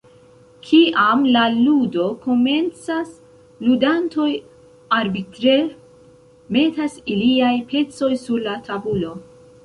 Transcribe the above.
Kiam la ludo komencas, ludantoj arbitre metas iliaj pecoj sur la tabulo.